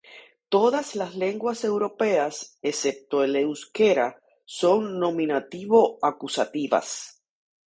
Todas las lenguas europeas, excepto el euskera, son nominativo-acusativas.